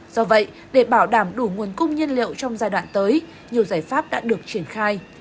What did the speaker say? do vậy để bảo đảm đủ nguồn cung nhiên liệu trong giai đoạn tới nhiều giải pháp đã được triển khai